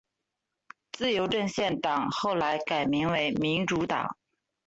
自由阵线党后来改名为民主党。